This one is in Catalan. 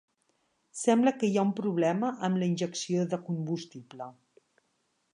Sembla que hi ha un problema amb la injecció de combustible.